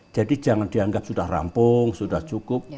jadi jangan dianggap sudah rampung sudah cukup